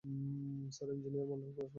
Sir, ইঞ্জিনিয়ারকে Mondal sir পাঠিয়েছেন।